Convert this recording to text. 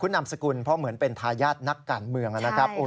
นามสกุลเพราะเหมือนเป็นทายาทนักการเมืองนะครับ